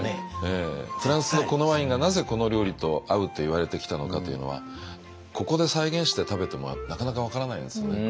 フランスのこのワインがなぜこの料理と合うっていわれてきたのかというのはここで再現して食べてもなかなか分からないんですよね。